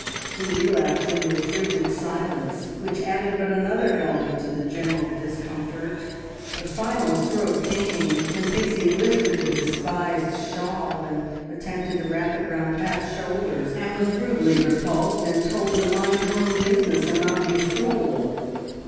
He relapsed into a frigid silence, which added but another element to the general discomfort. The final stroke came when Pixie lifted the despised shawl and attempted to wrap it round Pat's shoulders, and was rudely repulsed, and told to mind her own business and not be a fool.